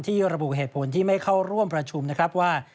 ระบุเหตุผลที่ไม่เข้าร่วมประชุมนะครับว่า